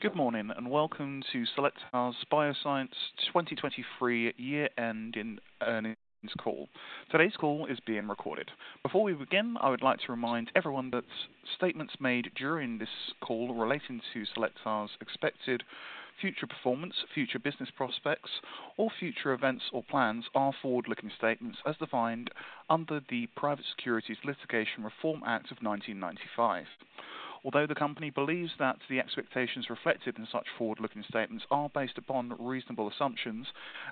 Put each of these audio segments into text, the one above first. Good morning and welcome to Cellectar Biosciences 2023 year-end earnings call. Today's call is being recorded. Before we begin, I would like to remind everyone that statements made during this call relating to Cellectar's expected future performance, future business prospects, or future events or plans are forward-looking statements as defined under the Private Securities Litigation Reform Act of 1995. Although the company believes that the expectations reflected in such forward-looking statements are based upon reasonable assumptions,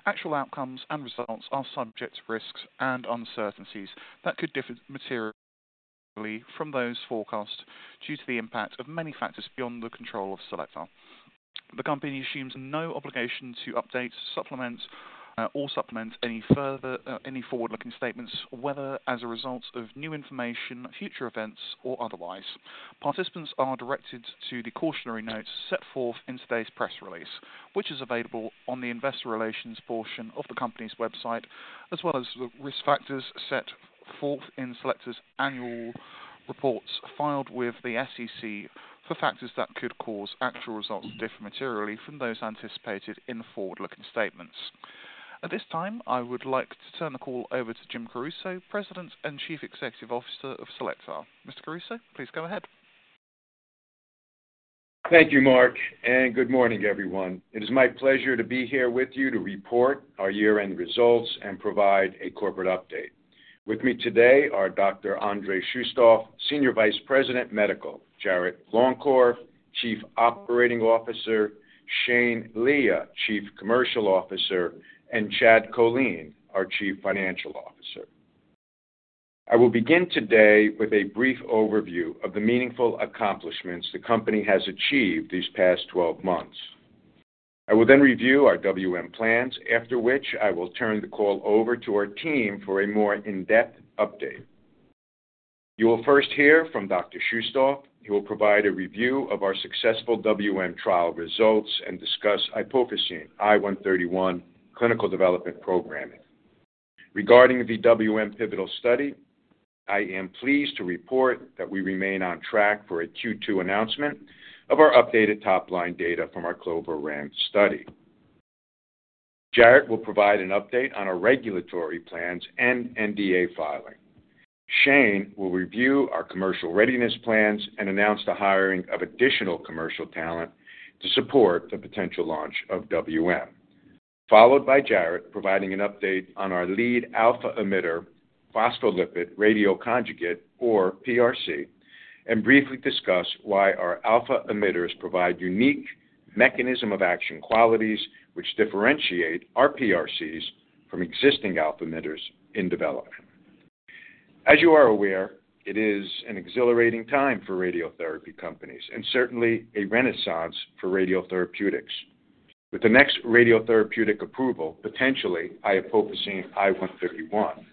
actual outcomes and results are subject to risks and uncertainties that could differ materially from those forecast due to the impact of many factors beyond the control of Cellectar. The company assumes no obligation to update, supplement, or any further any forward-looking statements, whether as a result of new information, future events, or otherwise. Participants are directed to the cautionary notes set forth in today's press release, which is available on the investor relations portion of the company's website, as well as the risk factors set forth in Cellectar's annual reports filed with the SEC for factors that could cause actual results to differ materially from those anticipated in forward-looking statements. At this time, I would like to turn the call over to Jim Caruso, President and Chief Executive Officer of Cellectar. Mr. Caruso, please go ahead. Thank you, Mark, and good morning, everyone. It is my pleasure to be here with you to report our year-end results and provide a corporate update. With me today are Dr. Andrei Shustov, Senior Vice President, Medical, Jarrod Longcor, Chief Operating Officer, Shane Lea, Chief Commercial Officer, and Chad Kolean, our Chief Financial Officer. I will begin today with a brief overview of the meaningful accomplishments the company has achieved these past 12 months. I will then review our WM plans, after which I will turn the call over to our team for a more in-depth update. You will first hear from Dr. Shustov, who will provide a review of our successful WM trial results and discuss iopofosine I-131 clinical development programming. Regarding the WM pivotal study, I am pleased to report that we remain on track for a Q2 announcement of our updated top-line data from our CLOVER-WaM study. Jarrod will provide an update on our regulatory plans and NDA filing. Shane will review our commercial readiness plans and announce the hiring of additional commercial talent to support the potential launch of WM, followed by Jarrod providing an update on our lead alpha emitter phospholipid radioconjugate, or PRC, and briefly discuss why our alpha emitters provide unique mechanism of action qualities which differentiate our PRCs from existing alpha emitters in development. As you are aware, it is an exhilarating time for radiotherapy companies and certainly a renaissance for radiotherapeutics. With the next radiotherapeutic approval, potentially iopofosine I-131,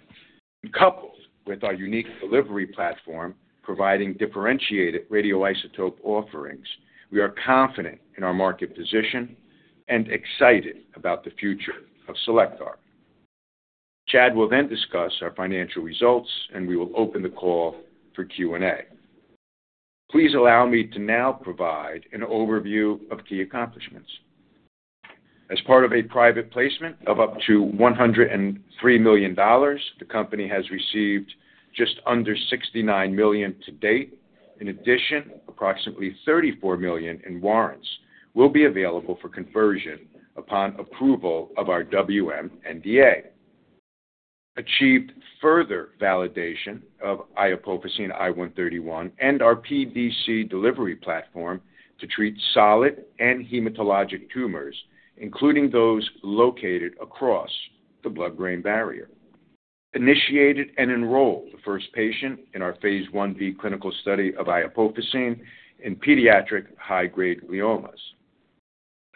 coupled with our unique delivery platform providing differentiated radioisotope offerings, we are confident in our market position and excited about the future of Cellectar. Chad will then discuss our financial results, and we will open the call for Q&A. Please allow me to now provide an overview of key accomplishments. As part of a private placement of up to $103 million, the company has received just under $69 million to date. In addition, approximately $34 million in warrants will be available for conversion upon approval of our WM NDA. Achieved further validation of iopofosine I-131 and our PDC delivery platform to treat solid and hematologic tumors, including those located across the blood-brain barrier. Initiated and enrolled the first patient in our phase IV clinical study of iopofosine in pediatric high-grade gliomas.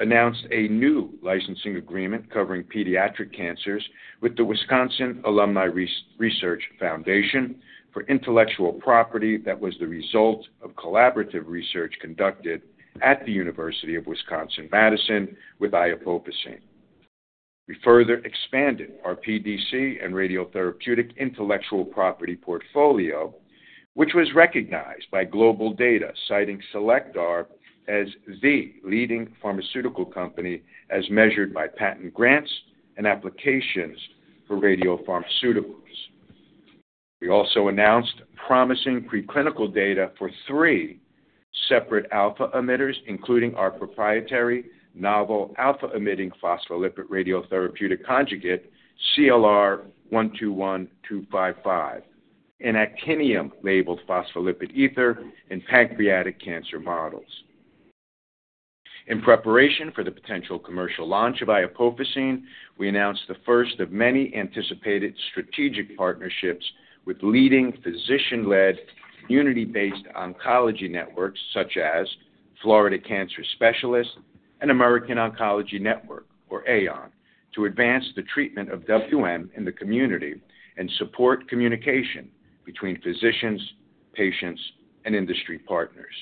Announced a new licensing agreement covering pediatric cancers with the Wisconsin Alumni Research Foundation for intellectual property that was the result of collaborative research conducted at the University of Wisconsin-Madison. We further expanded our PDC and radiotherapeutic intellectual property portfolio, which was recognized by GlobalData citing Cellectar as the leading pharmaceutical company as measured by patent grants and applications for radiopharmaceuticals. We also announced promising preclinical data for three separate alpha emitters, including our proprietary novel alpha-emitting phospholipid radiotherapeutic conjugate CLR 121225, and actinium-labeled phospholipid ether in pancreatic cancer models. In preparation for the potential commercial iopofosine I-131, we announced the first of many anticipated strategic partnerships with leading physician-led community-based oncology networks such as Florida Cancer Specialists and American Oncology Network, or AON, to advance the treatment of WM in the community and support communication between physicians, patients, and industry partners.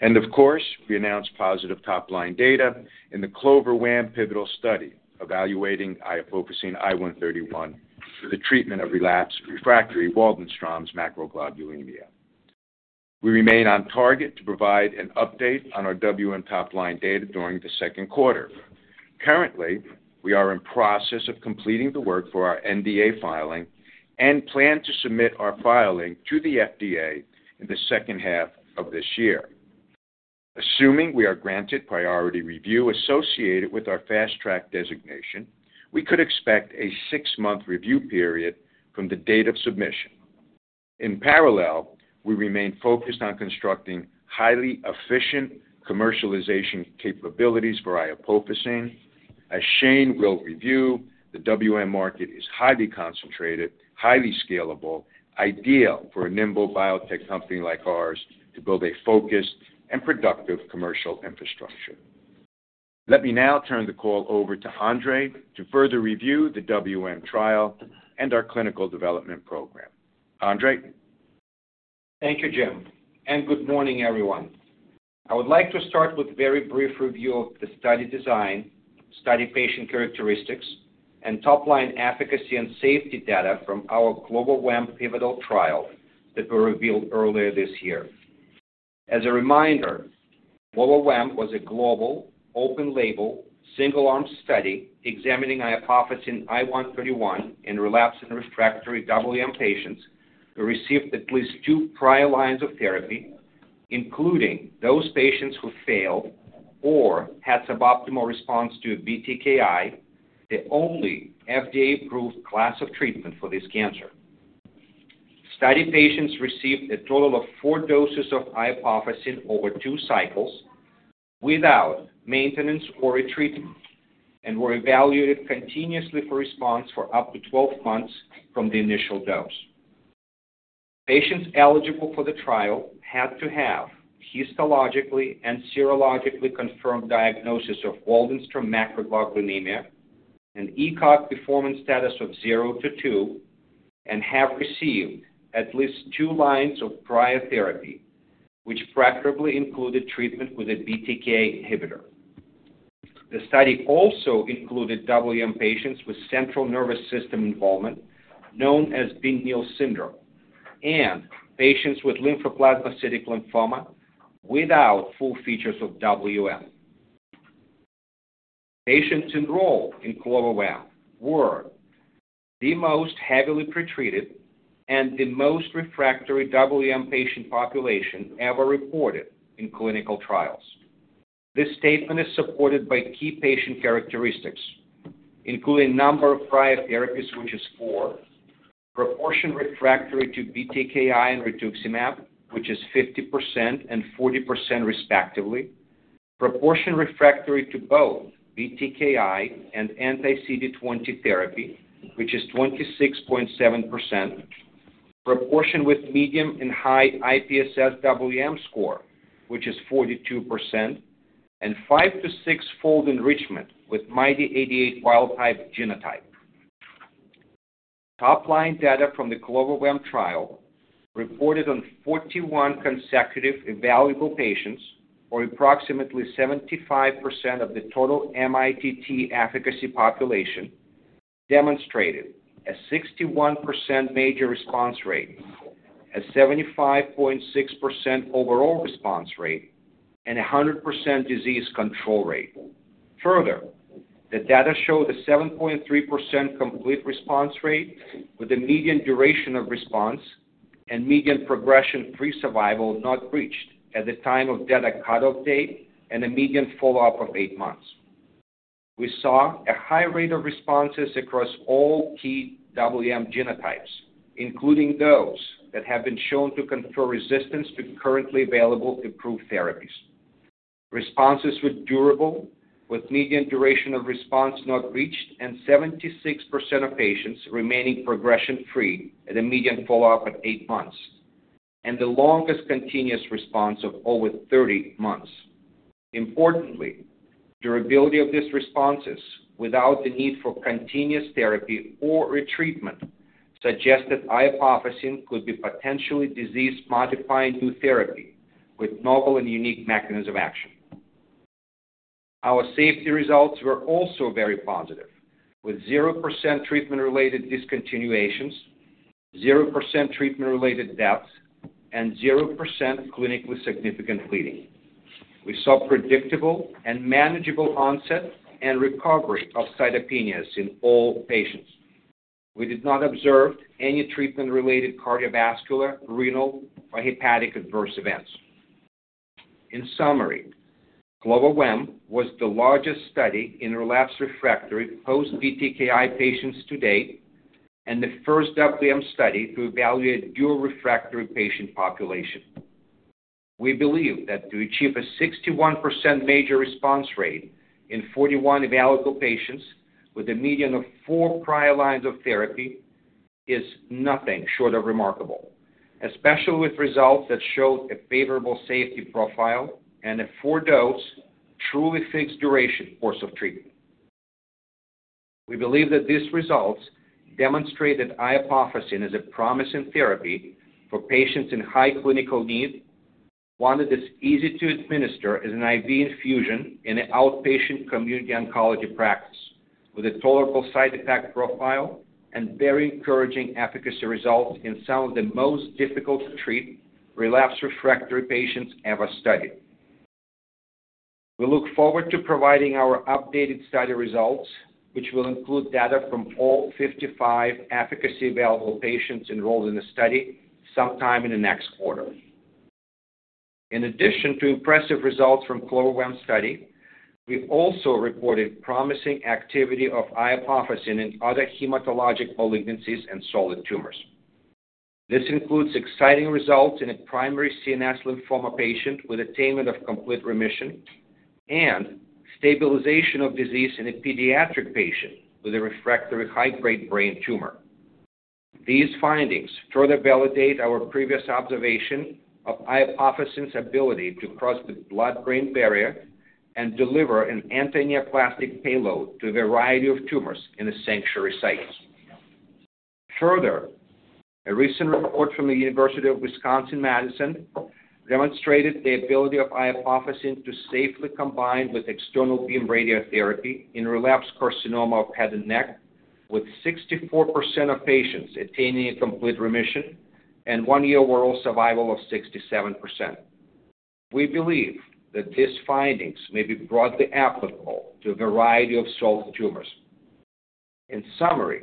Of course, we announced positive top-line data in the CLOVER-WaM pivotal study evaluating iopofosine I-131 for the treatment of relapsed/refractory Waldenström's macroglobulinemia. We remain on target to provide an update on our WM top-line data during the second quarter. Currently, we are in process of completing the work for our NDA filing and plan to submit our filing to the FDA in the second half of this year. Assuming we are granted priority review associated with our Fast Track designation, we could expect a six-month review period from the date of submission. In parallel, we remain focused on constructing highly efficient commercialization capabilities for iopofosine, as Shane will review, the WM market is highly concentrated, highly scalable, ideal for a nimble biotech company like ours to build a focused and productive commercial infrastructure. Let me now turn the call over to Andrei to further review the WM trial and our clinical development program. Andrei? Thank you, Jim, and good morning, everyone. I would like to start with a very brief review of the study design, study patient characteristics, and top-line efficacy and safety data from our CLOVER-WaM pivotal trial that were revealed earlier this year. As a reminder, CLOVER-WaM was a global, open-label, single-arm study examining iopofosine I-131 in relapsed and refractory WM patients who received at least two prior lines of therapy, including those patients who failed or had suboptimal response to BTKI, the only FDA-approved class of treatment for this cancer. Study patients received a total of four doses of iopofosine over two cycles without maintenance or retreatment and were evaluated continuously for response for up to 12 months from the initial dose. Patients eligible for the trial had to have histologically and serologically confirmed diagnosis of Waldenstrom's macroglobulinemia and ECOG performance status of 0-2 and have received at least two lines of prior therapy, which preferably included treatment with a BTKI inhibitor. The study also included WM patients with central nervous system involvement known as Bing-Neel syndrome and patients with lymphoplasmacytic lymphoma without full features of WM. Patients enrolled in CLOVER-WaM were the most heavily pretreated and the most refractory WM patient population ever reported in clinical trials. This statement is supported by key patient characteristics, including number of prior therapies, which is four, proportion refractory to BTKI and rituximab, which is 50% and 40% respectively, proportion refractory to both BTKI and anti-CD20 therapy, which is 26.7%, proportion with medium and high IPSSWM score, which is 42%, and five- to six-fold enrichment with MYD88 wild-type genotype. Top-line data from the CLOVER-WaM trial reported on 41 consecutive evaluable patients, or approximately 75% of the total MITT efficacy population, demonstrated a 61% major response rate, a 75.6% overall response rate, and a 100% disease control rate. Further, the data showed a 7.3% complete response rate with a median duration of response and median progression-free survival not reached at the time of data cutoff date and a median follow-up of eight months. We saw a high rate of responses across all key WM genotypes, including those that have been shown to confer resistance to currently available improved therapies. Responses were durable, with median duration of response not reached and 76% of patients remaining progression-free at a median follow-up of 8 months, and the longest continuous response of over 30 months. Importantly, durability of these responses without the need for continuous therapy or retreatment suggest that iopofosine I-131 could be potentially disease-modifying new therapy with novel and unique mechanisms of action. Our safety results were also very positive, with 0% treatment-related discontinuations, 0% treatment-related deaths, and 0% clinically significant bleeding. We saw predictable and manageable onset and recovery of cytopenias in all patients. We did not observe any treatment-related cardiovascular, renal, or hepatic adverse events. In summary, CLOVER-WaM was the largest study in relapsed refractory post-BTKi patients to date and the first WM study to evaluate dual-refractory patient population. We believe that to achieve a 61% major response rate in 41 evaluable patients with a median of four prior lines of therapy is nothing short of remarkable, especially with results that showed a favorable safety profile and a four-dose truly fixed-duration course of treatment. We believe that these results demonstrate that iopofosine I-131 as a promising therapy for patients in high clinical need, one that is easy to administer as an IV infusion in an outpatient community oncology practice, with a tolerable side effect profile and very encouraging efficacy results in some of the most difficult-to-treat relapsed refractory patients ever studied. We look forward to providing our updated study results, which will include data from all 55 efficacy-available patients enrolled in the study sometime in the next quarter. In addition to impressive results from CLOVER-WaM study, we also reported promising activity of iopofosine I-131 in other hematologic malignancies and solid tumors. This includes exciting results in a primary CNS lymphoma patient with attainment of complete remission and stabilization of disease in a pediatric patient with a refractory high-grade brain tumor. These findings further validate our previous observation of iopofosine I-131's ability to cross the blood-brain barrier and deliver an antineoplastic payload to a variety of tumors in the sanctuary sites. Further, a recent report from the University of Wisconsin-Madison demonstrated the ability of iopofosine I-131 to safely combine with external beam radiotherapy in relapsed carcinoma of head and neck, with 64% of patients attaining a complete remission and one-year overall survival of 67%. We believe that these findings may be broadly applicable to a variety of solid tumors. In summary,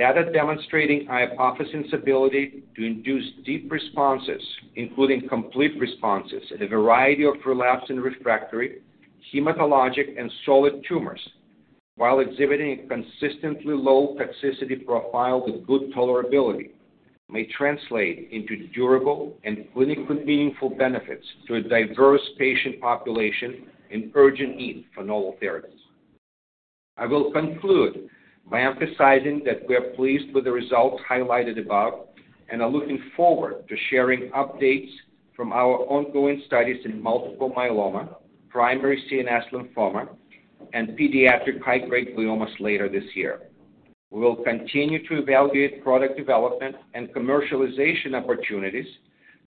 data demonstrating iopofosine I-131's ability to induce deep responses, including complete responses at a variety of relapsed and refractory hematologic and solid tumors while exhibiting a consistently low toxicity profile with good tolerability, may translate into durable and clinically meaningful benefits to a diverse patient population in urgent need for novel therapies. I will conclude by emphasizing that we are pleased with the results highlighted above and are looking forward to sharing updates from our ongoing studies in multiple myeloma, primary CNS lymphoma, and pediatric high-grade gliomas later this year. We will continue to evaluate product development and commercialization opportunities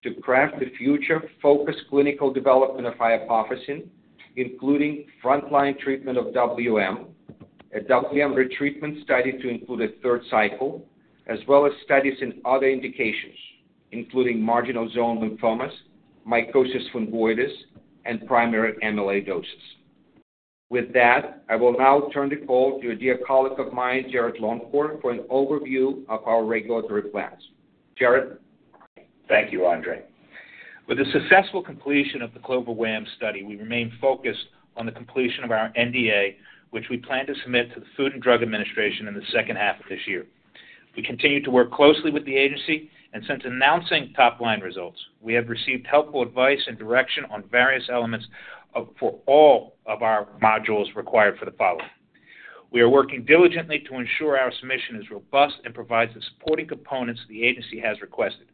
to craft the future-focused clinical development of iopofosine I-131, including front-line treatment of WM, a WM retreatment study to include a third cycle, as well as studies in other indications, including marginal zone lymphomas, mycosis fungoides, and primary amyloidosis. With that, I will now turn the call to a dear colleague of mine, Jarrod Longcor, for an overview of our regulatory plans. Jarrod? Thank you, Andrei. With the successful completion of the CLOVER-WaM study, we remain focused on the completion of our NDA, which we plan to submit to the Food and Drug Administration in the second half of this year. We continue to work closely with the agency, and since announcing top-line results, we have received helpful advice and direction on various elements for all of our modules required for the following. We are working diligently to ensure our submission is robust and provides the supporting components the agency has requested.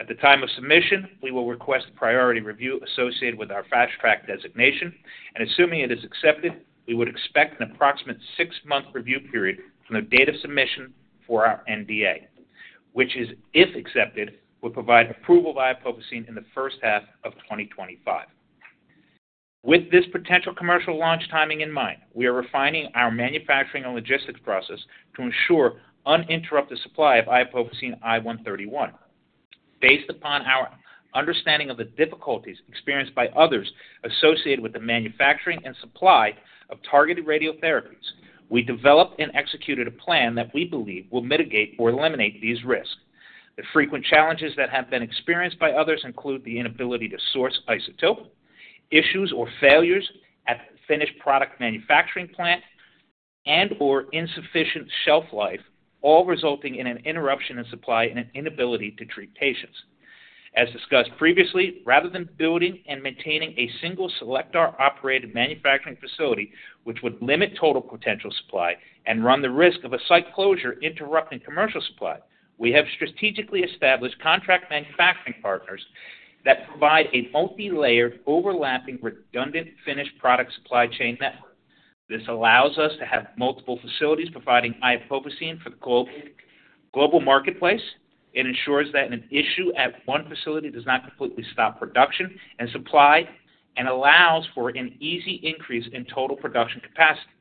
At the time of submission, we will request priority review associated with our Fast Track designation, and assuming it is accepted, we would expect an approximate six-month review period from the date of submission for our NDA, which, if accepted, would provide approval of iopofosine I-131 in the first half of 2025. With this potential commercial launch timing in mind, we are refining our manufacturing and logistics process to ensure uninterrupted supply of iopofosine I-131. Based upon our understanding of the difficulties experienced by others associated with the manufacturing and supply of targeted radiotherapies, we developed and executed a plan that we believe will mitigate or eliminate these risks. The frequent challenges that have been experienced by others include the inability to source isotope, issues or failures at the finished product manufacturing plant, and/or insufficient shelf life, all resulting in an interruption in supply and an inability to treat patients. As discussed previously, rather than building and maintaining a single cyclotron-operated manufacturing facility, which would limit total potential supply and run the risk of a site closure interrupting commercial supply, we have strategically established contract manufacturing partners that provide a multilayered, overlapping, redundant finished product supply chain network. This allows us to have multiple facilities providing iopofosine I-131 for the global marketplace. It ensures that an issue at one facility does not completely stop production and supply and allows for an easy increase in total production capacity.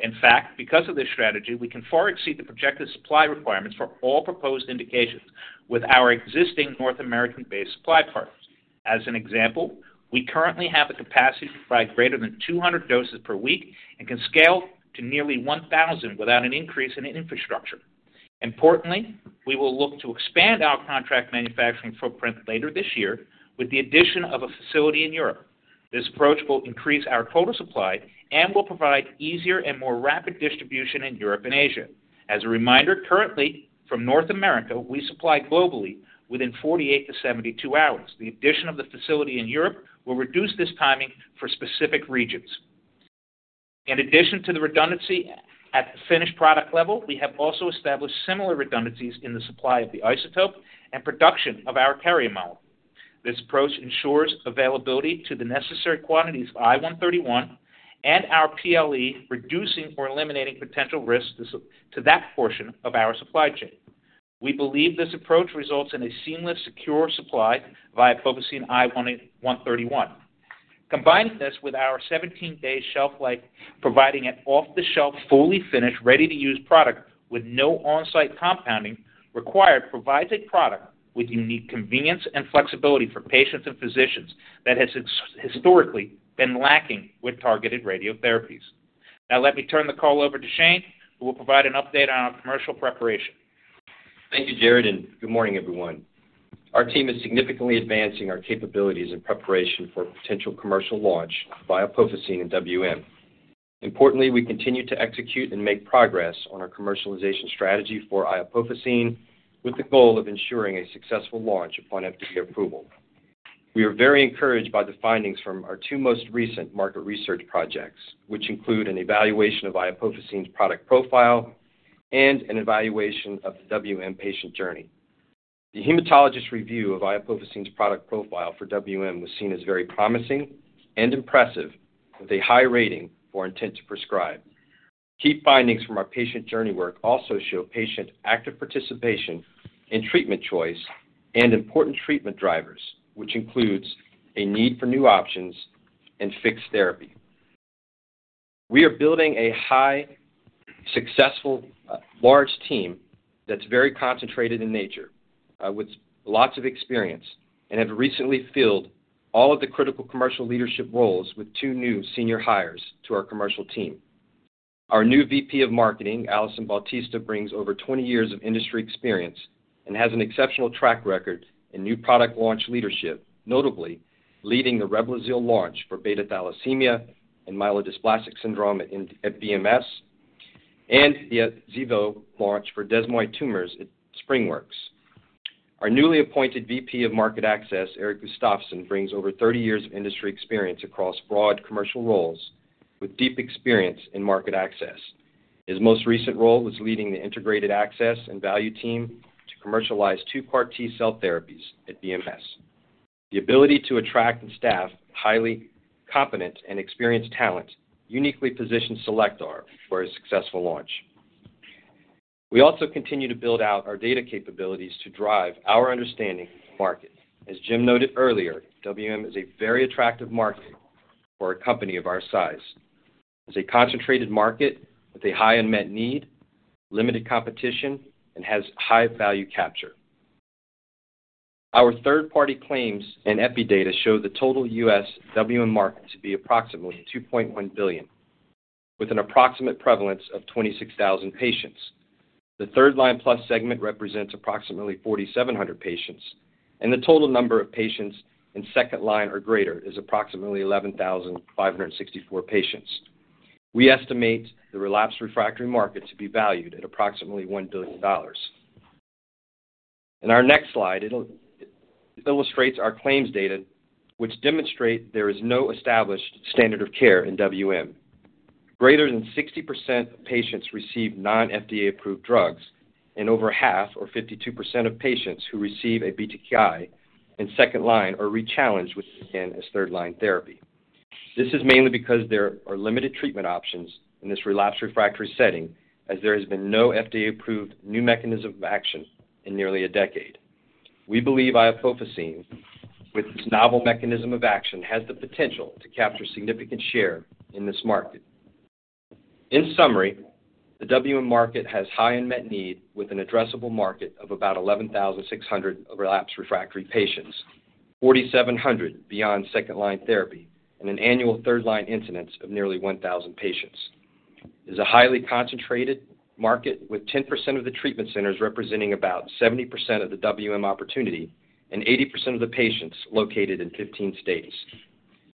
In fact, because of this strategy, we can far exceed the projected supply requirements for all proposed indications with our existing North American-based supply partners. As an example, we currently have the capacity to provide greater than 200 doses per week and can scale to nearly 1,000 without an increase in infrastructure. Importantly, we will look to expand our contract manufacturing footprint later this year with the addition of a facility in Europe. This approach will increase our total supply and will provide easier and more rapid distribution in Europe and Asia. As a reminder, currently, from North America, we supply globally within 48-72 hours. The addition of the facility in Europe will reduce this timing for specific regions. In addition to the redundancy at the finished product level, we have also established similar redundancies in the supply of the isotope and production of our carrier molecule. This approach ensures availability to the necessary quantities of I-131 and our PLE, reducing or eliminating potential risks to that portion of our supply chain. We believe this approach results in a seamless, secure supply via iopofosine I-131. Combining this with our 17-day shelf life, providing an off-the-shelf, fully finished, ready-to-use product with no onsite compounding required, provides a product with unique convenience and flexibility for patients and physicians that has historically been lacking with targeted radiotherapies. Now, let me turn the call over to Shane, who will provide an update on our commercial preparation. Thank you, Jarrod, and good morning, everyone. Our team is significantly advancing our capabilities in preparation for a potential commercial lodge by iopofosine I-131 and WM. Importantly, we continue to execute and make progress on our commercialization strategy for iopofosine I-131 with the goal of ensuring a successful launch upon FDA approval. We are very encouraged by the findings from our two most recent market research projects, which include and evaluation of iopofosine I-131's product profile and an evaluation of the WM patient journey. The hematologist review of iopofosine I-131's product profile for WM was seen as very promising and impressive, with a high rating for intent to prescribe. Key findings from our patient journey work also show patient active participation in treatment choice and important treatment drivers, which includes a need for new options and fixed therapy. We are building a highly successful, large team that's very concentrated in nature, with lots of experience, and have recently filled all of the critical commercial leadership roles with two new senior hires to our commercial team. Our new VP of Marketing, Allison Bautista, brings over 20 years of industry experience and has an exceptional track record in new product launch leadership, notably leading the Reblozyl launch for beta thalassemia and myelodysplastic syndrome at BMS, and the OGSIVEO launch for desmoid tumors at SpringWorks. Our newly appointed VP of Market Access, Eric Gustafson, brings over 30 years of industry experience across broad commercial roles, with deep experience in market access. His most recent role was leading the integrated access and value team to commercialize two CAR-T cell therapies at BMS. The ability to attract and staff highly competent and experienced talent uniquely positioned Cellectar for a successful launch. We also continue to build out our data capabilities to drive our understanding of the market. As Jim noted earlier, WM is a very attractive market for a company of our size. It's a concentrated market with a high unmet need, limited competition, and has high value capture. Our third-party claims and EPI data show the total U.S. WM market to be approximately $2.1 billion, with an approximate prevalence of 26,000 patients. The third-line plus segment represents approximately 4,700 patients, and the total number of patients in second line or greater is approximately 11,564 patients. We estimate the relapsed refractory market to be valued at approximately $1 billion. In our next slide, it illustrates our claims data, which demonstrate there is no established standard of care in WM. Greater than 60% of patients receive non-FDA-approved drugs, and over half, or 52%, of patients who receive a BTKI in second-line are rechallenged with a BTKI as third-line therapy. This is mainly because there are limited treatment options in this relapsed/refractory setting, as there has been no FDA-approved new mechanism of action in nearly a decade. We believe iopofosine I-131, with its novel mechanism of action, has the potential to capture a significant share in this market. In summary, the WM market has high unmet need, with an addressable market of about 11,600 relapsed/refractory patients, 4,700 beyond second-line therapy, and an annual third-line incidence of nearly 1,000 patients. It is a highly concentrated market, with 10% of the treatment centers representing about 70% of the WM opportunity and 80% of the patients located in 15 states.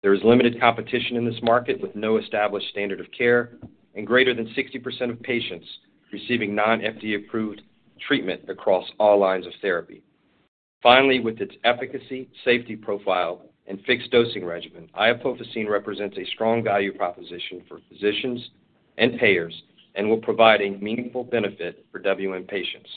There is limited competition in this market, with no established standard of care and greater than 60% of patients receiving non-FDA-approved treatment across all lines of therapy. Finally, with its efficacy, safety profile, and fixed dosing regiment, iopofosine I-131 represents a strong value proposition for physicians and payers and will provide a meaningful benefit for WM patients.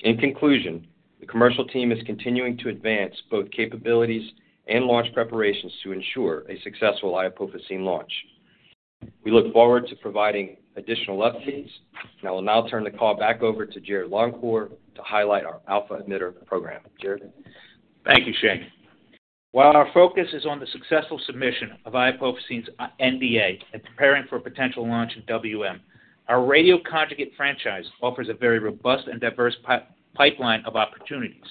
In conclusion, the commercial team is continuing to advance both capabilities and launch preparations to ensure a successfull iopofosine I-131 launch. We look forward to providing additional updates, and I will now turn the call back over to Jarrod Longcor to highlight our alpha emitter program. Jarrod? Thank you, Shane. While our focus is on the successful submission of iopofosine I-131's NDA and preparing for a potential launch in WM, our radioconjugate franchise offers a very robust and diverse pipeline of opportunities.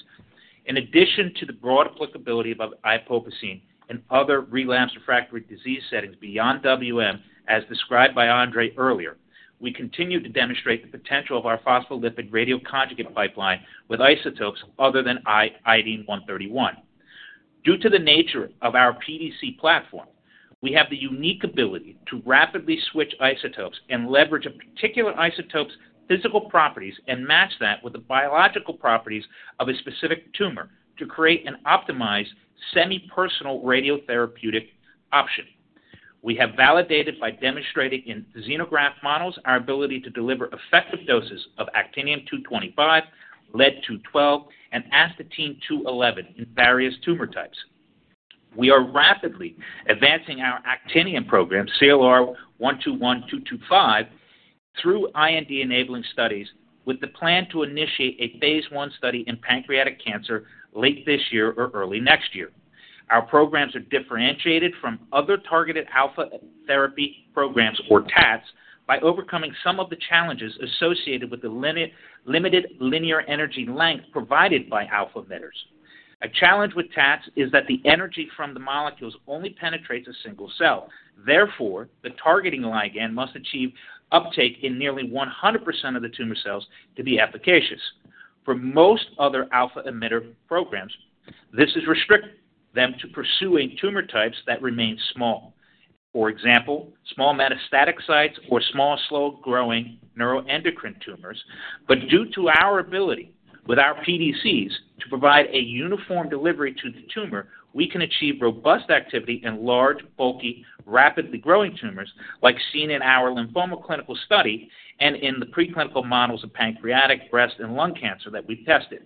In addition to the broad applicabiltiy of iopofosine I-131 in other relapsed refractory disease settings beyond WM, as described by Andrei earlier, we continue to demonstrate the potential of our phospholipid radioconjugate pipeline with isotopes other than iodine-131. Due to the nature of our PDC platform, we have the unique ability to rapidly switch isotopes and leverage a particular isotope's physical properties and match that with the biological properties of a specific tumor to create an optimized semi-personal radiotherapeutic option. We have validated by demonstrating in xenograft models our ability to deliver effective doses of Actinium-225, Lead-212, and Astatine-211 in various tumor types. We are rapidly advancing our actinium program, CLR 121225, through IND-enabling studies with the plan to initiate a phase I study in pancreatic cancer late this year or early next year. Our programs are differentiated from other targeted alpha therapy programs, or TATs, by overcoming some of the challenges associated with the limited linear energy length provided by alpha emitters. A challenge with TATs is that the energy from the molecules only penetrates a single cell. Therefore, the targeting ligand must achieve uptake in nearly 100% of the tumor cells to be efficacious. For most other alpha emitter programs, this has restricted them to pursuing tumor types that remain small, for example, small metastatic sites or small, slow-growing neuroendocrine tumors. Due to our ability, with our PDCs, to provide a uniform delivery to the tumor, we can achieve robust activity in large, bulky, rapidly growing tumors like seen in our lymphoma clinical study and in the preclinical models of pancreatic, breast, and lung cancer that we've tested.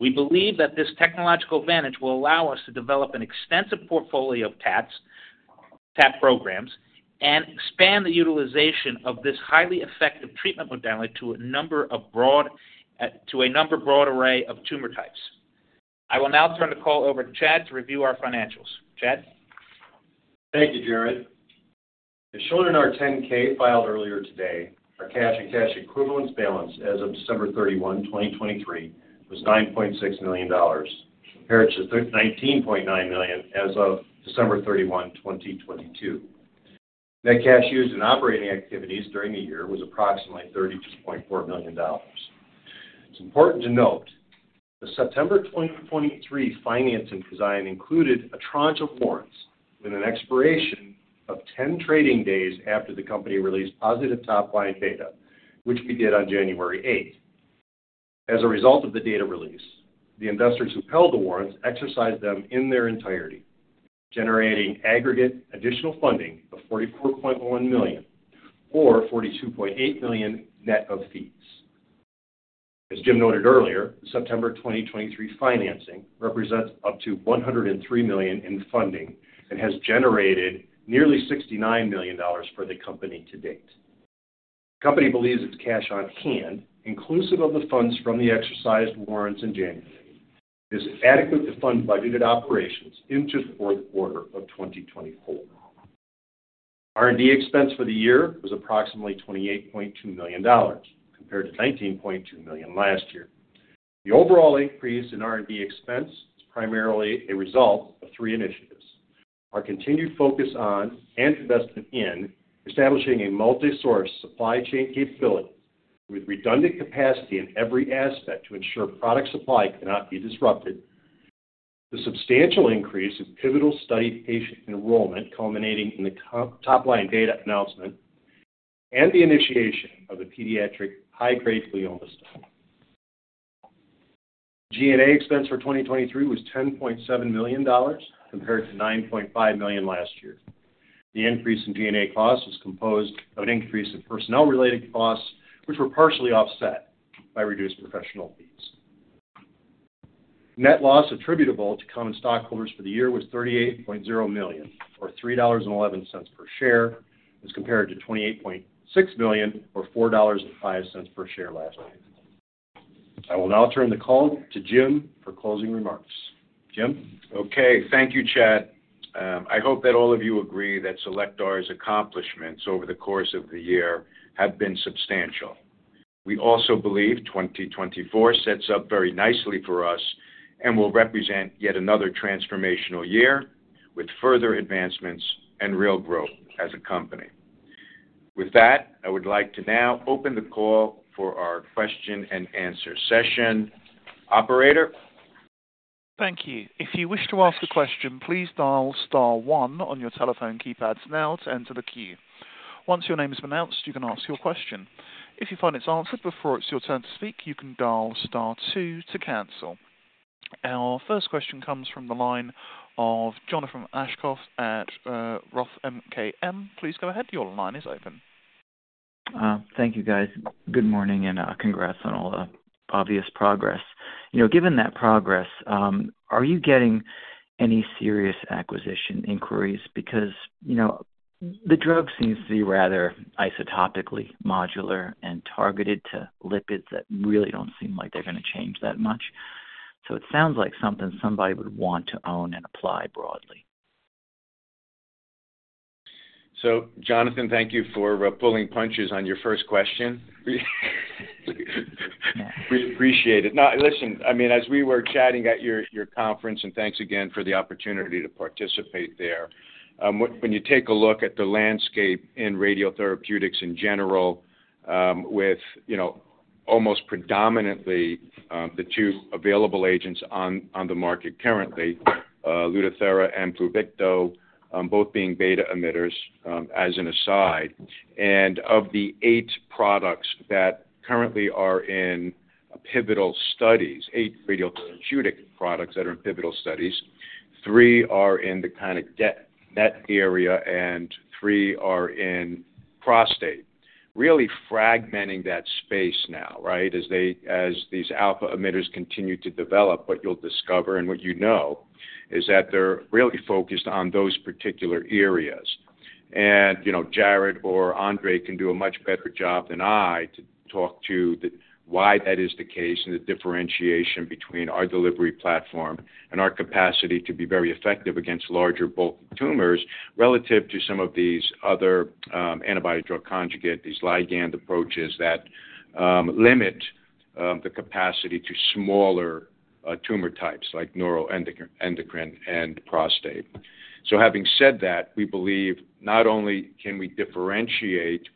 We believe that this technological advantage will allow us to develop an extensive portfolio of TATs programs, and expand the utilization of this highly effective treatment modality to a number of broad to a number broad array of tumor types. I will now turn the call over to Chad to review our financials. Chad? Thank you, Jarrod. As shown in our 10-K filed earlier today, our cash and cash equivalents balance as of December 31, 2023, was $9.6 million, compared to $19.9 million as of December 31, 2022. Net cash used in operating activities during the year was approximately $32.4 million. It's important to note the September 2023 financing included a tranche of warrants with an expiration of 10 trading days after the company released positive top-line data, which we did on January 8th. As a result of the data release, the investors who held the warrants exercised them in their entirety, generating aggregate additional funding of $44.1 million or $42.8 million net of fees. As Jim noted earlier, the September 2023 financing represents up to $103 million in funding and has generated nearly $69 million for the company to date. The company believes its cash on hand, inclusive of the funds from the exercised warrants in January, is adequate to fund budgeted operations into the fourth quarter of 2024. R&D expense for the year was approximately $28.2 million, compared to $19.2 million last year. The overall increase in R&D expense is primarily a result of three initiatives: our continued focus on and investment in establishing a multi-source supply chain capability with redundant capacity in every aspect to ensure product supply cannot be disrupted, the substantial increase in pivotal study patient enrollment culminating in the top-line data announcement, and the initiation of the pediatric high-grade glioma study. G&A expense for 2023 was $10.7 million, compared to $9.5 million last year. The increase in G&A costs was composed of an increase in personnel-related costs, which were partially offset by reduced professional fees. Net loss attributable to common stockholders for the year was $38.0 million, or $3.11 per share, as compared to $28.6 million, or $4.05 per share last year. I will now turn the call to Jim for closing remarks. Jim? Okay. Thank you, Chad. I hope that all of you agree that Cellectar's accomplishments over the course of the year have been substantial. We also believe 2024 sets up very nicely for us and will represent yet another transformational year with further advancements and real growth as a company. With that, I would like to now open the call for our question-and-answer session. Operator? Thank you. If you wish to ask a question, please dial star one on your telephone keypads now to enter the queue. Once your name has been announced, you can ask your question. If you find it's answered before it's your turn to speak, you can dial star two to cancel. Our first question comes from the line of Jonathan Aschoff at Roth MKM. Please go ahead. Your line is open. Thank you, guys. Good morning and congrats on all the obvious progress. Given that progress, are you getting any serious acquisition inquiries? Because the drug seems to be rather isotopically modular and targeted to lipids that really don't seem like they're going to change that much. So it sounds like something somebody would want to own and apply broadly. So Jonathan, thank you for pulling punches on your first question. We appreciate it. Listen, I mean, as we were chatting at your conference, and thanks again for the opportunity to participate there, when you take a look at the landscape in radiotherapeutics in general, with almost predominantly the two available agents on the market currently, Lutathera and Pluvicto both being beta emitters as an aside, and of the eight products that currently are in pivotal studies. Eight radiotherapeutic products that are in pivotal studies, three are in the kind of NET area, and three are in prostate, really fragmenting that space now, right, as these alpha emitters continue to develop. What you'll discover and what you know is that they're really focused on those particular areas. Jarrod or Andrei can do a much better job than I to talk to why that is the case and the differentiation between our delivery platform and our capacity to be very effective against larger, bulky tumors relative to some of these other antibody-drug conjugate, these ligand approaches that limit the capacity to smaller tumor types like neuroendocrine and prostate. So having said that, we believe not only can we differentiate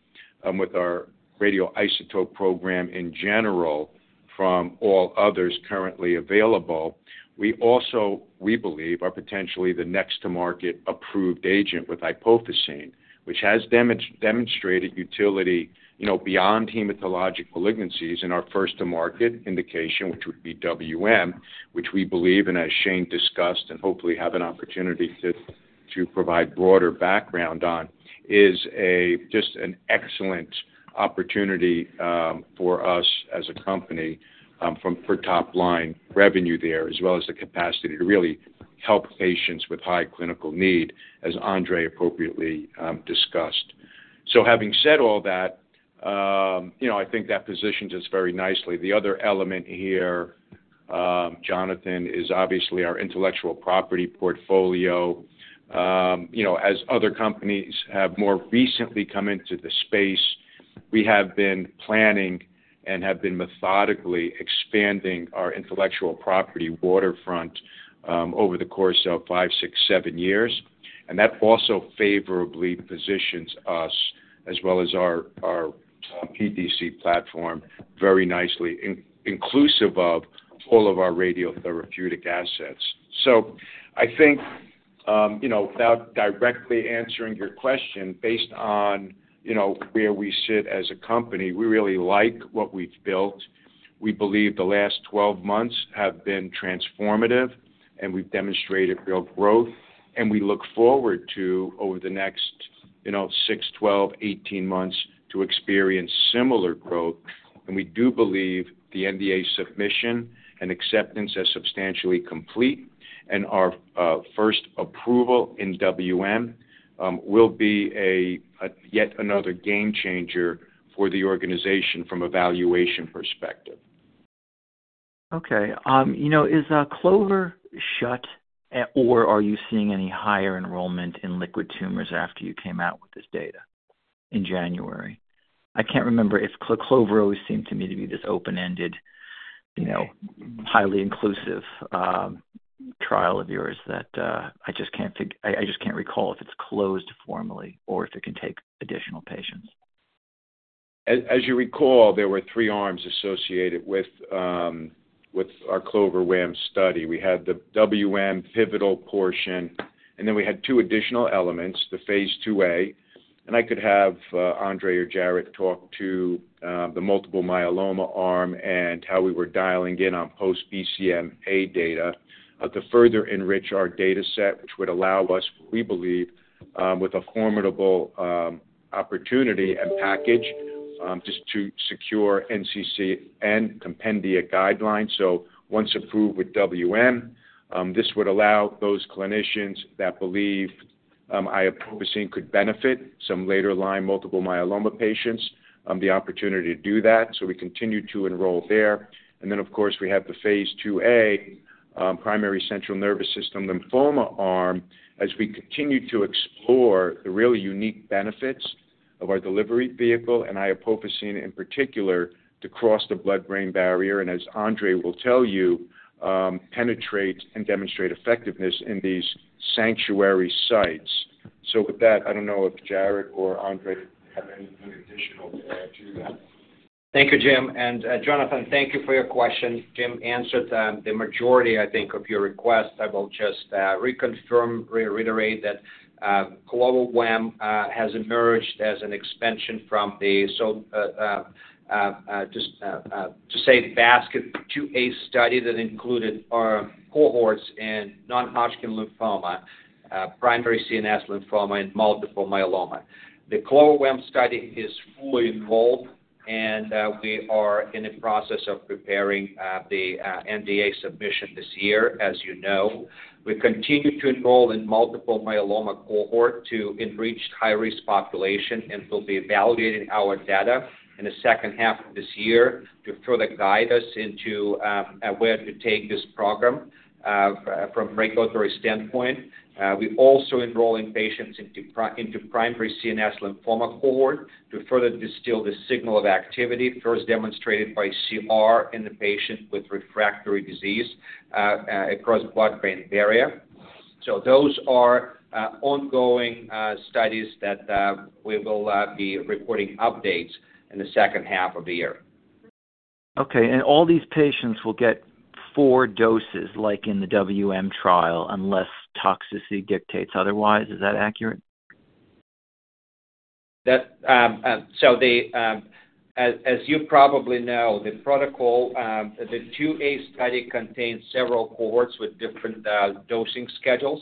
with our radioisotope program in general from all others currently available, we also believe are potentially the next-to-market approved agent with iopofosine I-131, which has demonstrated utility beyond hematologic malignancies in our first-to-market indication, which would be WM, which we believe, and as Shane discussed and hopefully have an opportunity to provide broader background on, is just an excellent opportunity for us as a company for top-line revenue there, as well as the capacity to really help patients with high clinical need, as Andrei appropriately discussed. So having said all that, I think that positions us very nicely. The other element here, Jonathan, is obviously our intellectual property portfolio. As other companies have more recently come into the space, we have been planning and have been methodically expanding our intellectual property waterfront over the course of five, six, seven years. And that also favorably positions us, as well as our PDC platform, very nicely, inclusive of all of our radiotherapeutic assets. So I think, without directly answering your question, based on where we sit as a company, we really like what we've built. We believe the last 12 months have been transformative, and we've demonstrated real growth. And we look forward to, over the next six, 12, 18 months, to experience similar growth. And we do believe the NDA submission and acceptance as substantially complete and our first approval in WM will be yet another game-changer for the organization from a valuation perspective. Okay. Is Clover shut, or are you seeing any higher enrollment in liquid tumors after you came out with this data in January? I can't remember if Clover always seemed to me to be this open-ended, highly inclusive trial of yours that I just can't recall if it's closed formally or if it can take additional patients. As you recall, there were three arms associated with our CLOVER-WaM study. We had the WM pivotal portion, and then we had two additional elements, the phase II-A. I could have Andrei or Jarrod talk to the multiple myeloma arm and how we were dialing in on post-BCMA data to further enrich our dataset, which would allow us, we believe, with a formidable opportunity and package just to secure NCCN Compendia guidelines. Once approved with WM, this would allow those clinicians that believe iopofosine I-131 could benefit some later-line multiple myeloma patients the opportunity to do that. We continue to enroll there. And then, of course, we have the phase II-A primary central nervous system lymphoma arm, as we continue to explore the really unique benefits of our delivery vehicle and iopofosine in particular to cross the blood-brain barrier and, as Andrei will tell you, penetrate and demonstrate effectiveness in these sanctuary sites. With that, I don't know if Jarrod or Andrei have anything additional to add to that. Thank you, Jim. Jonathan, thank you for your question. Jim answered the majority, I think, of your requests. I will just reconfirm, reiterate, that CLOVER-WaM has emerged as an expansion from the, to say, basket 2A study that included cohorts in non-Hodgkin lymphoma, primary CNS lymphoma, and multiple myeloma. The CLOVER-WaM study is fully enrolled, and we are in the process of preparing the NDA submission this year, as you know. We continue to enroll in multiple myeloma cohort to enrich high-risk population and will be evaluating our data in the second half of this year to further guide us into where to take this program from regulatory standpoint. We also enroll in patients into primary CNS lymphoma cohort to further distill the signal of activity first demonstrated by CR in the patient with refractory disease across blood-brain barrier. Those are ongoing studies that we will be reporting updates in the second half of the year. Okay. All these patients will get four doses like in the WM trial unless toxicity dictates. Otherwise, is that accurate? As you probably know, the protocol, the 2A study contains several cohorts with different dosing schedules.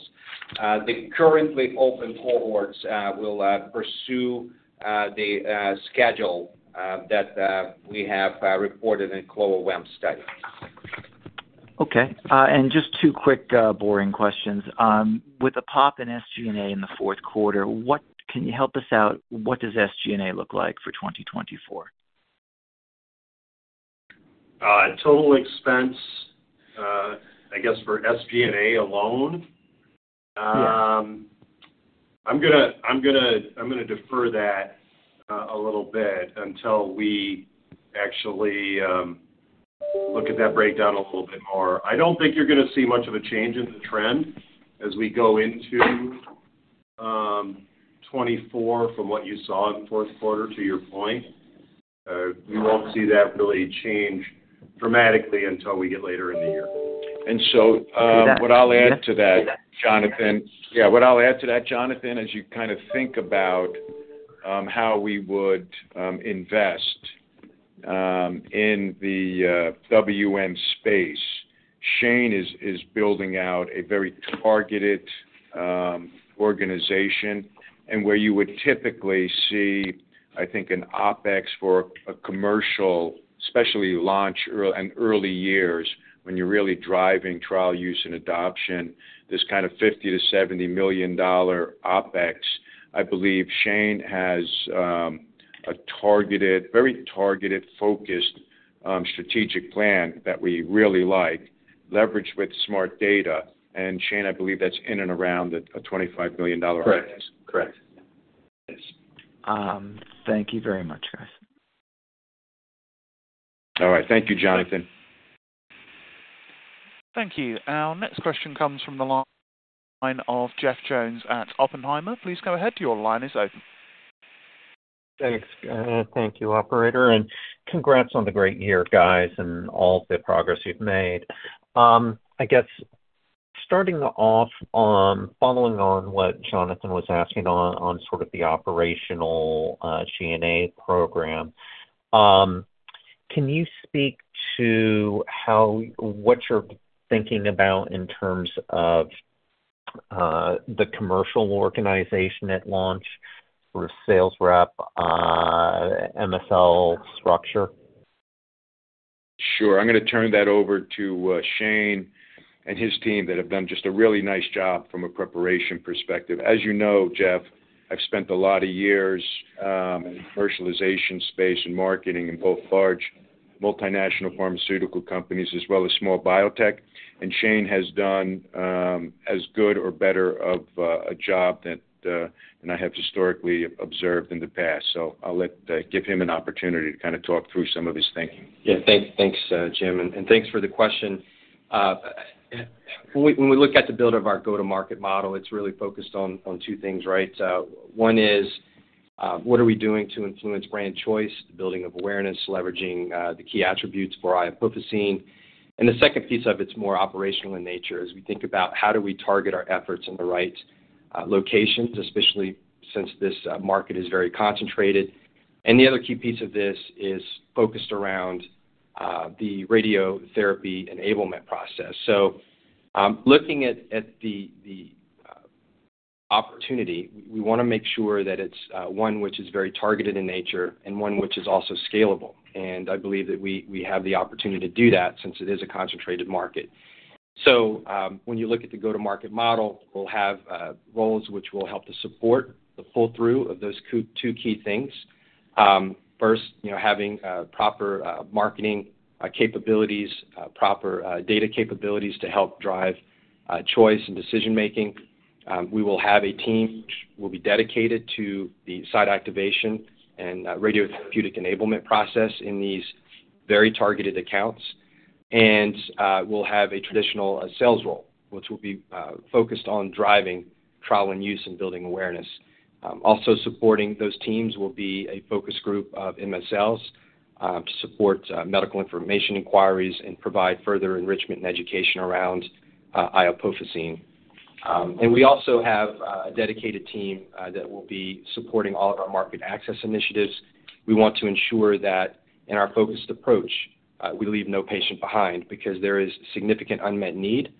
The currently open cohorts will pursue the schedule that we have reported in CLOVER-WaM study. Okay. Just two quick boring questions. With a pop in SG&A in the fourth quarter, can you help us out? What does SG&A look like for 2024? Total expense, I guess, for SG&A alone? I'm going to defer that a little bit until we actually look at that breakdown a little bit more. I don't think you're going to see much of a change in the trend as we go into 2024 from what you saw in the fourth quarter, to your point. We won't see that really change dramatically until we get later in the year. And so what I'll add to that, Jonathan yeah, what I'll add to that, Jonathan, as you kind of think about how we would invest in the WM space, Shane is building out a very targeted organization and where you would typically see, I think, an OpEx for a commercial, especially launch and early years when you're really driving trial use and adoption, this kind of $50-$70 million OpEx. I believe Shane has a very targeted, focused strategic plan that we really like, leveraged with smart data. And Shane, I believe that's in and around a $25 million OpEx. Correct. Thank you very much, guys. All right. Thank you, Jonathan. Thank you. Our next question comes from the line of Jeff Jones at Oppenheimer. Please go ahead. Your line is open. Thank you, Operator. Congrats on the great year, guys, and all the progress you've made. I guess starting off, following on what Jonathan was asking on sort of the operational G&A program, can you speak to what you're thinking about in terms of the commercial organization at launch, sort of sales rep, MSL structure? Sure. I'm going to turn that over to Shane and his team that have done just a really nice job from a preparation perspective. As you know, Jeff, I've spent a lot of years in the commercialization space and marketing in both large multinational pharmaceutical companies as well as small biotech. And Shane has done as good or better of a job than I have historically observed in the past. So I'll give him an opportunity to kind of talk through some of his thinking. Yeah. Thanks, Jim. And thanks for the question. When we look at the build of our go-to-market model, it's really focused on two things, right? One is what are we doing to influence brand choice, the building of awareness, leveraging the key attributes for iopofosine. And the second piece of it's more operational in nature as we think about how do we target our efforts in the right locations, especially since this market is very concentrated. And the other key piece of this is focused around the radiotherapy enablement process. So looking at the opportunity, we want to make sure that it's one which is very targeted in nature and one which is also scalable. And I believe that we have the opportunity to do that since it is a concentrated market. So when you look at the go-to-market model, we'll have roles which will help to support the pull-through of those two key things. First, having proper marketing capabilities, proper data capabilities to help drive choice and decision-making. We will have a team which will be dedicated to the site activation and radiotherapeutic enablement process in these very targeted accounts. And we'll have a traditional sales role, which will be focused on driving trial and use and building awareness. Also supporting those teams will be a focus group of MSLs to support medical information inquiries and provide further enrichment and education around iopofosine I-131. And we also have a dedicated team that will be supporting all of our market access initiatives. We want to ensure that in our focused approach, we leave no patient behind because there is significant unmet need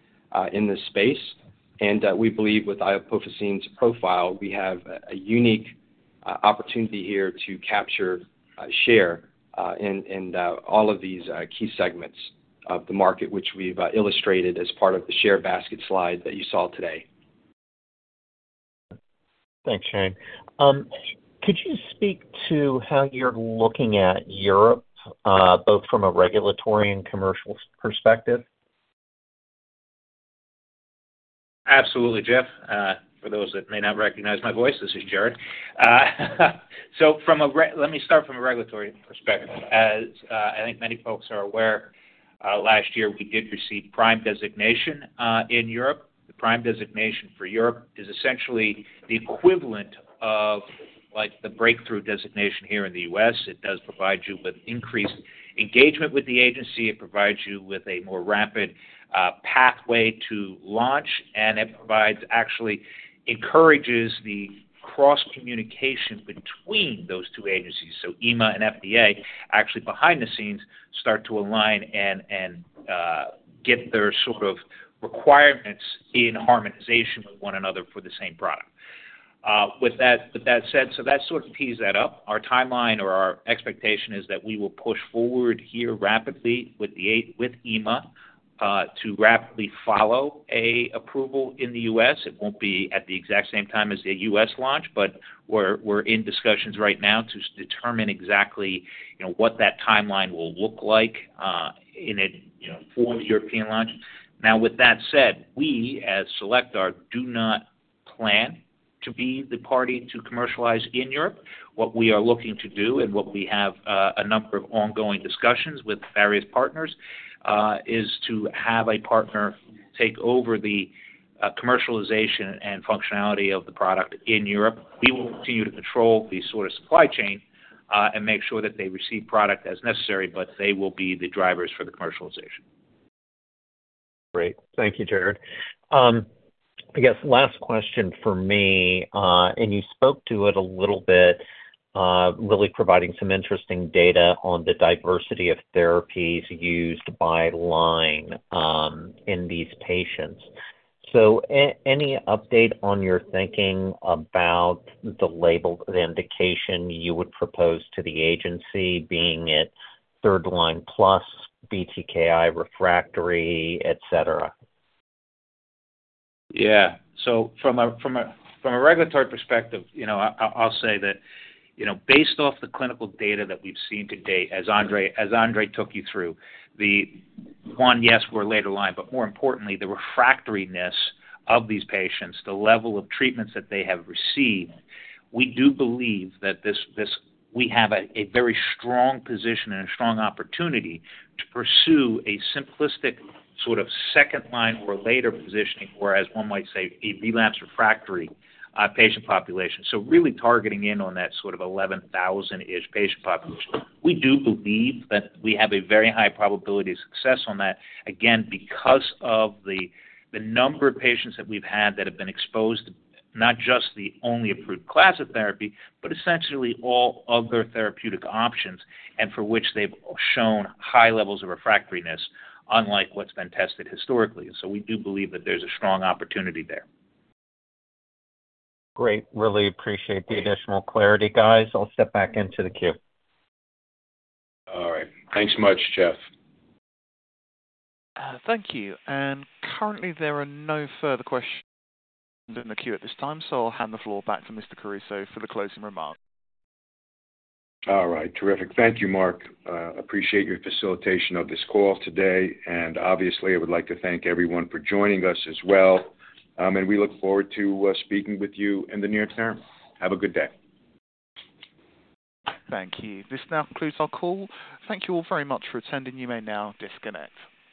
in this space. We believe with iopofosine's profile, we have a unique opportunity here to capture, share in all of these key segments of the market, which we've illustrated as part of the share basket slide that you saw today. Thanks, Shane. Could you speak to how you're looking at Europe both from a regulatory and commercial perspective? Absolutely, Jeff. For those that may not recognize my voice, this is Jarrod. So let me start from a regulatory perspective. As I think many folks are aware, last year we did receive PRIME designation in Europe. The PRIME designation for Europe is essentially the equivalent of the Breakthrough designation here in the U.S. It does provide you with increased engagement with the agency. It provides you with a more rapid pathway to launch. And it actually encourages the cross-communication between those two agencies. So EMA and FDA, actually behind the scenes, start to align and get their sort of requirements in harmonization with one another for the same product. With that said, so that sort of tees that up. Our timeline or our expectation is that we will push forward here rapidly with EMA to rapidly follow an approval in the U.S. It won't be at the exact same time as the U.S. launch, but we're in discussions right now to determine exactly what that timeline will look like in a forward European launch. Now, with that said, we as Cellectar do not plan to be the party to commercialize in Europe. What we are looking to do and what we have a number of ongoing discussions with various partners is to have a partner take over the commercialization and functionality of the product in Europe. We will continue to control the sort of supply chain and make sure that they receive product as necessary, but they will be the drivers for the commercialization. Great. Thank you, Jarrod. I guess last question for me, and you spoke to it a little bit, really providing some interesting data on the diversity of therapies used by LINE in these patients. So any update on your thinking about the indication you would propose to the agency, being it third-line plus, BTKI, refractory, etc.? Yeah. So from a regulatory perspective, I'll say that based off the clinical data that we've seen today, as Andrei took you through, the one, yes, we're later line, but more importantly, the refractoriness of these patients, the level of treatments that they have received, we do believe that we have a very strong position and a strong opportunity to pursue a simplistic sort of second-line or later positioning, or as one might say, a relapse refractory patient population. So really targeting in on that sort of 11,000-ish patient population, we do believe that we have a very high probability of success on that, again, because of the number of patients that we've had that have been exposed to not just the only approved class of therapy, but essentially all other therapeutic options and for which they've shown high levels of refractoriness, unlike what's been tested historically. We do believe that there's a strong opportunity there. Great. Really appreciate the additional clarity, guys. I'll step back into the queue. All right. Thanks much, Jeff. Thank you. Currently, there are no further questions in the queue at this time, so I'll hand the floor back to Mr. Caruso for the closing remarks. All right. Terrific. Thank you, Mark. Appreciate your facilitation of this call today. Obviously, I would like to thank everyone for joining us as well. We look forward to speaking with you in the near term. Have a good day. Thank you. This now concludes our call. Thank you all very much for attending. You may now disconnect.